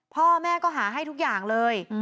พ่อแม่ก็หาให้ทุกอย่างเลย